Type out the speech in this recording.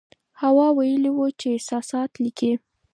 هوا ویلي وو چې احساسات لیکي.